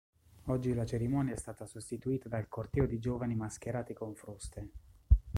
Oggi la cerimonia è stata sostituita dal corteo di giovani mascherati con fruste.